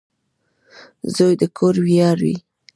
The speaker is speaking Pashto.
• زوی د کور ویاړ وي.